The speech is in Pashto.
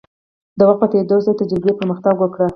د وخت په تیریدو سره تجربې پرمختګ وکړ.